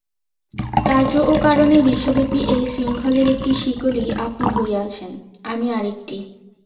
কার্য ও কারণের বিশ্বব্যাপী এই শৃঙ্খলের একটি শিকলি আপনি ধরিয়াছেন, আমি আর একটি।